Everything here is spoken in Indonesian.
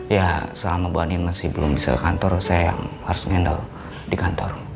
ya selama bu ani masih belum bisa ke kantor saya harus ngendal di kantor